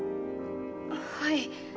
はい。